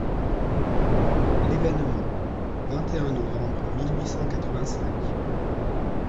L'ÉVÉNEMENT, vingt et un novembre mille huit cent quatre-vingt-cinq.